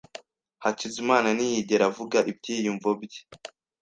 Hakizimana ntiyigera avuga ibyiyumvo bye.